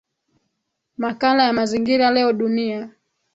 makala ya mazingira leo dunia